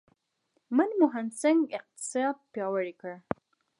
منموهن سینګ اقتصاد پیاوړی کړ.